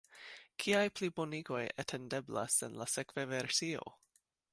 Kiaj plibonigoj atendeblas en la sekva versio?